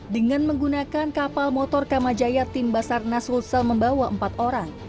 dengan menggunakan kapal motor kamajaya tim basarnas hulsel membawa empat orang